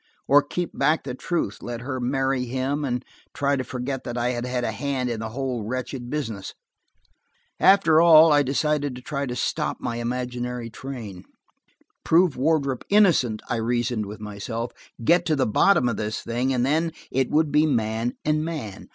Or keep back the truth, let her marry him, and try to forget that I had had a hand in the whole wretched business? After all, I decided to try to stop my imaginary train. Prove Wardrop innocent, I reasoned with myself, get to the bottom of this thing, and then–it would be man and man.